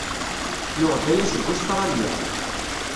Nuɣ-d aya seg Ustṛalya.